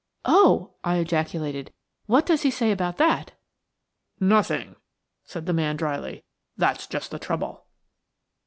"Oh!" I ejaculated, "what does he say about that?" "Nothing," said the man dryly; "that's just the trouble."